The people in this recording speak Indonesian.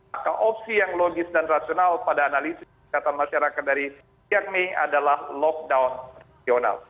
maka opsi yang logis dan rasional pada analisis kesehatan masyarakat dari yang me adalah lockdown regional